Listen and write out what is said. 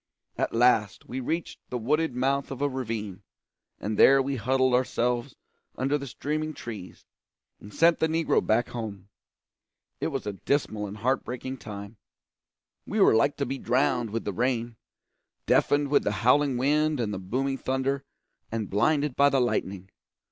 At last we reached the wooded mouth of a ravine, and there we huddled ourselves under the streaming trees, and sent the negro back home. It was a dismal and heart breaking time. We were like to be drowned with the rain, deafened with the howling wind and the booming thunder, and blinded by the lightning.